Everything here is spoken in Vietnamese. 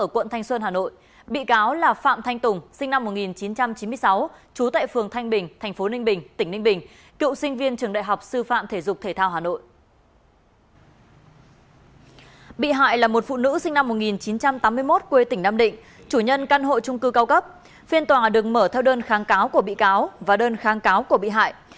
phiên tòa được mở theo đơn kháng cáo của bị cáo và đơn kháng cáo của bị hại